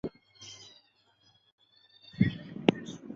顺序依领域及中大服编号依序排列。